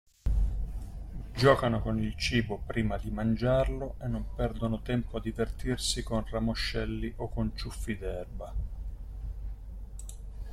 Giocano con il cibo prima di mangiarlo e non perdono tempo a divertirsi con ramoscelli o con ciuffi d'erba.